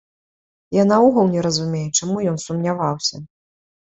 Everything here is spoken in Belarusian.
Я наогул не разумею чаму ён сумняваўся?